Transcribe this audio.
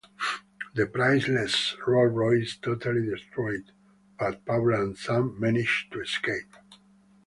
The priceless Rolls Royce is totally destroyed, but Paula and Sam manage to escape.